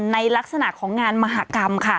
ในลักษณะงานมหากรรม